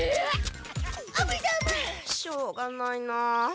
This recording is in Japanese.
しょうがないなあ。